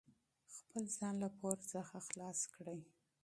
خپل ځان له پور څخه خلاص کړئ.